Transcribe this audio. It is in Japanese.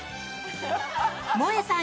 もえさん